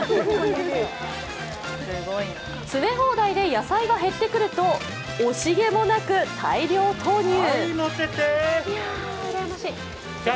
詰め放題で野菜が減ってくると惜しげもなく大量投入。